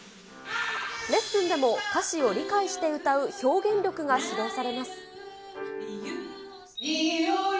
レッスンでも、歌詞を理解して歌う表現力が指導されます。